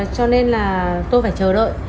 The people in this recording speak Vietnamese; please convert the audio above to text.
cho nên là tôi phải chờ đợi